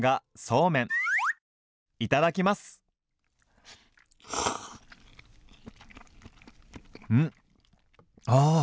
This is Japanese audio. うん！ああ！